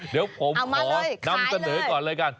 เดี๋ยวผมขอนำเสนอก่อนเลยกัน